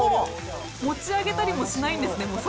持ち上げたりもしないんですね。